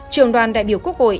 trường đoàn đại biểu quốc hội